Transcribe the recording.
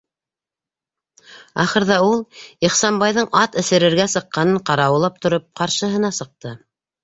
Ахырҙа ул, Ихсанбайҙың ат эсерергә сыҡҡанын ҡарауыллап тороп, ҡаршыһына сыҡты.